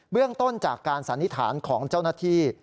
เรื่องต้นจากการสันนิษฐานของเจ้าหน้าที่